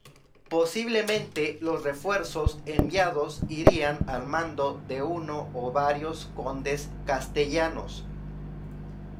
Posiblemente los refuerzos enviados irían al mando de uno o varios condes castellanos.